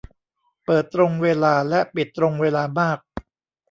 เปิดตรงเวลาและปิดตรงเวลามาก